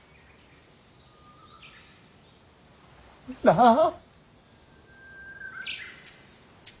なあ。